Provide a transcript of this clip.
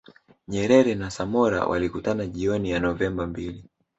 Nyerere na Samora walikutana jioni ya Novemba mbili